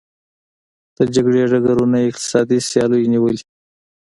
د جګړې ډګرونه یې اقتصادي سیالیو نیولي.